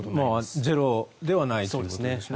ゼロではないということですね。